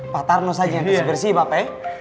pak tarno saja yang harus bersih bapak ya